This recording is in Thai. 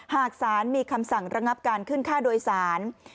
หากสารมีคำสั่งระงับการขึ้นค่าโดยสาร